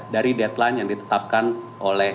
dari deadline yang ditetapkan oleh